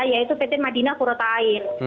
yaitu pt madinah kurota ain